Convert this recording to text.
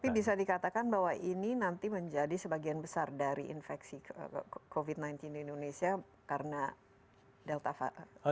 tapi bisa dikatakan bahwa ini nanti menjadi sebagian besar dari infeksi covid sembilan belas di indonesia karena delta